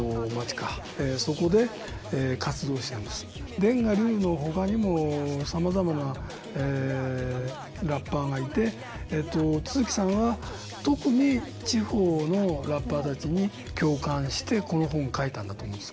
田我流の他にもさまざまなラッパーがいて都築さんは特に地方のラッパーたちに共感してこの本を書いたんだと思います。